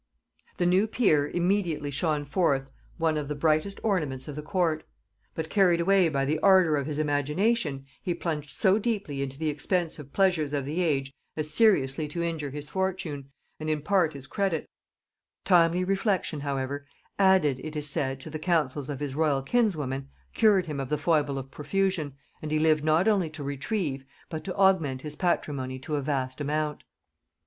The new peer immediately shone forth one of the brightest ornaments of the court: but carried away by the ardor of his imagination, he plunged so deeply into the expensive pleasures of the age as seriously to injure his fortune, and in part his credit: timely reflection however, added, it is said, to the counsels of his royal kinswoman, cured him of the foible of profusion, and he lived not only to retrieve, but to augment his patrimony to a vast amount.